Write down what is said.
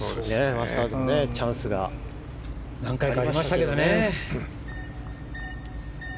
チャンスが何回かありましたけどね。